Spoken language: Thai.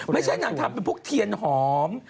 ไม่ใช่นางทำเป็นพวกเทียนหอม